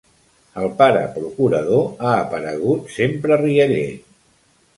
El pare procurador ha aparegut, sempre rialler.